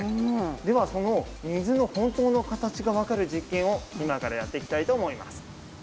ではその水の本当の形がわかる実験を今からやっていきたいと思います。